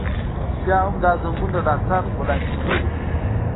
رښتیا هم، دا زنګون د ډاکټر ولانتیني و.